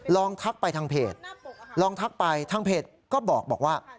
ทักไปทางเพจลองทักไปทางเพจก็บอกว่า